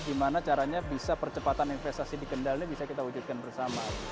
gimana caranya bisa percepatan investasi di kendal ini bisa kita wujudkan bersama